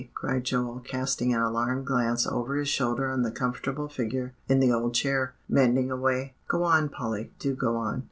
cried Joel, casting an alarmed glance over his shoulder on the comfortable figure in the old chair, mending away. "Go on, Polly, do go on."